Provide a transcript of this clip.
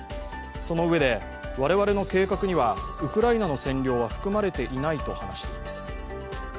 そのうえで、我々の計画にはウクライナの占領は含まれていないと話しています。